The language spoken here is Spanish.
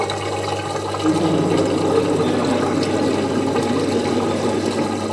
Un único aeropuerto puede tener varias instalaciones con diferentes clasificaciones.